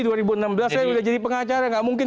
dua ribu enam belas saya udah jadi pengacara gak mungkin